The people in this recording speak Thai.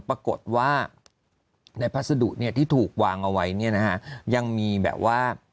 ปรากฏว่าในพัสดุเนี่ยที่ถูกวางเอาไว้เนี่ยนะฮะยังมีแบบว่า